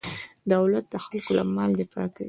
دولت د خلکو له مال دفاع کوي.